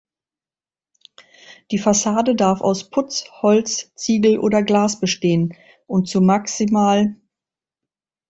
Die Fassade darf aus Putz, Holz, Ziegel oder Glas bestehen und zu max.